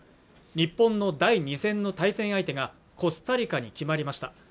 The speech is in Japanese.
日本の第２戦の対戦相手がコスタリカに決まりました